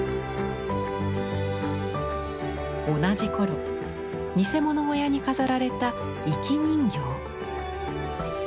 同じ頃見せ物小屋に飾られた生き人形。